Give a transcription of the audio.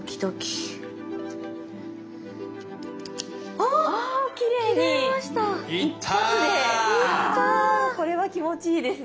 あこれは気持ちいいですね。